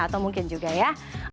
atau mungkin juga ya